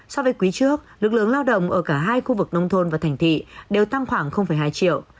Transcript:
so với quý trước lực lượng lao động ở cả hai khu vực nông thôn và thành thị đều tăng khoảng hai triệu